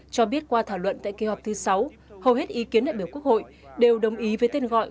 cho biết qua thảo luận tại kỳ họp thứ sáu hầu hết ý kiến đại biểu quốc hội đều đồng ý với tên gọi